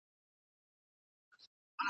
فضا د انسانانو لپاره ډېر اسرار لري.